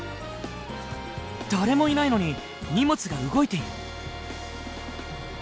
誰もいないのに荷物が動いている。